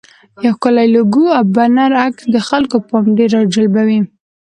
یو ښکلی لوګو او بنر عکس د خلکو پام ډېر راجلبوي.